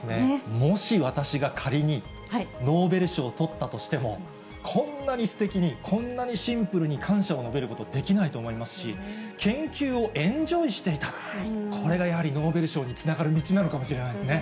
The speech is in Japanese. もし私が仮に、ノーベル賞取ったとしても、こんなにすてきに、こんなにシンプルに感謝を述べることできないと思いますし、研究をエンジョイしていた、これがやはり、ノーベル賞につながる道なのかもしれないですね。